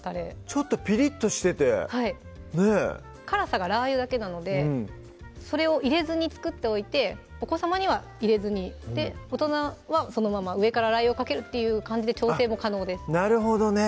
ちょっとぴりっとしててねぇ辛さがラー油だけなのでそれを入れずに作っておいてお子さまには入れずに大人はそのまま上からラー油をかけるっていう感じで調整も可能ですなるほどね